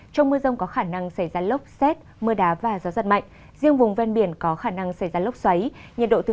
trong mưa rông có khả năng xảy ra lốc xét mưa đá và gió giật mạnh riêng vùng ven biển có khả năng xảy ra lốc xoáy nhật độ từ hai mươi năm ba mươi bốn độ